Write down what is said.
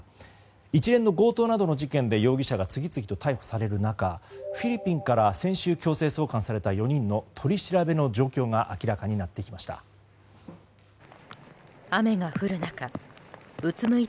一連の強盗などの事件で容疑者が次々と逮捕される中フィリピンから先週強制送還された４人の取り調べの状況が明らかになってきました。